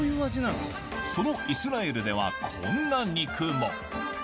そのイスラエルではこんな肉も。